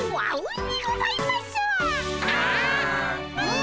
ん。